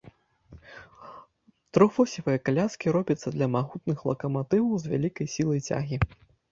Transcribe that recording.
Трохвосевыя каляскі робяцца для магутных лакаматываў з вялікай сілай цягі.